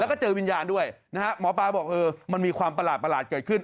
แล้วก็เจอวิญญาณด้วยนะฮะหมอปลาบอกเออมันมีความประหลาดเกิดขึ้น